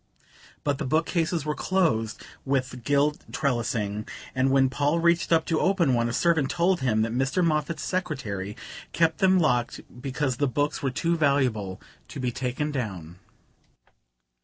But the bookcases were closed with gilt trellising, and when Paul reached up to open one, a servant told him that Mr. Moffatt's secretary kept them locked because the books were too valuable to be taken down.